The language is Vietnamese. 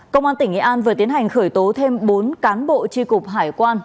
công an tỉnh nghệ an vừa tiến hành khởi tố thêm bốn cán bộ tri cục hải quan